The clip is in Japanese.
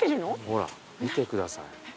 ほら見てください。